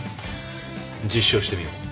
実証してみよう。